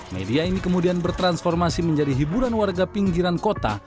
media ini kemudian bertransformasi menjadi hiburan warga pinggiran kota